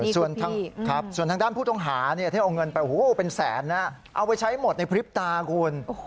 ส่วนทางด้านผู้ต้องหาที่เอาเงินไปเป็นแสนเอาไปใช้หมดในพริบตาคุณ